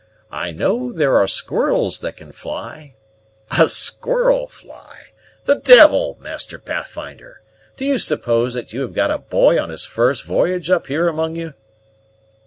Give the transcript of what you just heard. I know there are squirrels that can fly " "A squirrel fly! The devil, Master Pathfinder! Do you suppose that you have got a boy on his first v'y'ge up here among you?"